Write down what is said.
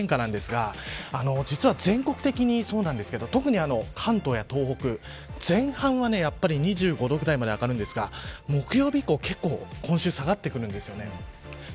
東京の今週の気温の変化なんですが実は、全国的にそうなんですけど特に関東や東北前半は２５度ぐらいまで上がるんですが木曜日以降、結構今週は下がってくるんです。